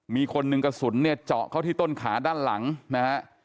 มีคนหนึ่งกระสุนเนี่ยเจาะเข้าที่ต้นขาด้านหลังนะฮะ